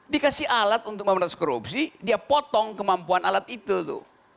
dikasih alat untuk memberantas korupsi dia potong kemampuan alat itu tuh